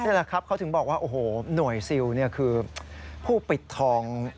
นี่แหละครับเขาถึงบอกว่าโอ้โหหน่วยซิลคือผู้ปิดทอง